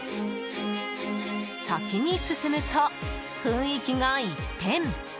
先に進むと、雰囲気が一変。